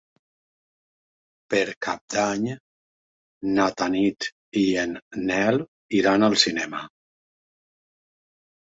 Per Cap d'Any na Tanit i en Nel iran al cinema.